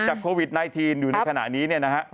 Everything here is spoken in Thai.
จากโควิด๑๙อยู่ในขณะนี้นะครับ